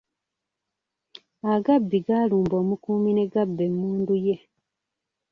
Agabbi gaalumba omukuumi ne gabba emmundu ye.